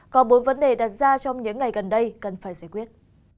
có bốn vấn đề đặt ra trong những ngày gần đây cần phải giải quyết